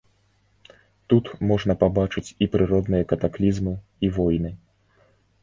Тут можна пабачыць і прыродныя катаклізмы, і войны.